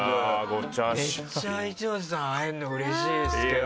めっちゃ、一ノ瀬さんに会えるのうれしいですけど。